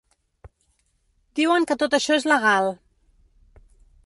Diuen que tot això és legal.